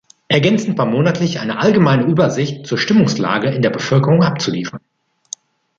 Ergänzend war monatlich eine allgemeine Übersicht zur Stimmungslage in der Bevölkerung abzuliefern.